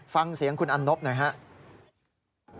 ฟังเสียงคุณอันนบหน่อยครับ